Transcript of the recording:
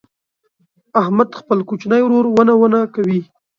احمد خپل کوچنی ورور ونه ونه کوي.